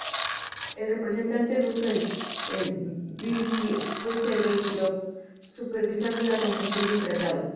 El representante ruso en Tbilisi fue Sergey Kirov, supervisando la conclusión del tratado.